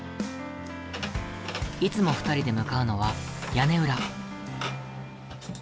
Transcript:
いつも２人で向かうのは屋根裏。